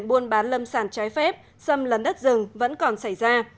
buôn bán lâm sản trái phép xâm lấn đất rừng vẫn còn xảy ra